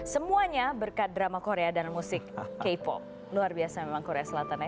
semuanya berkat drama korea dan musik k pop luar biasa memang korea selatan ya